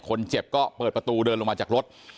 คนเจ็บก็เปิดประตูเดินลงมาจากรถ